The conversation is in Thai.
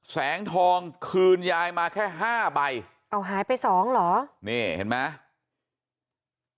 แสงทองคืนยายมาแค่ห้าใบเอาหายไปสองเหรอนี่เห็นไหม